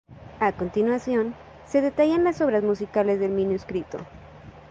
A continuación se detallan las obras musicales del manuscrito.